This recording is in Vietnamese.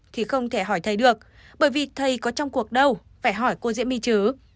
thì không thể hỏi thấy được bởi vì thầy có trong cuộc đâu phải hỏi cô diễm my chứ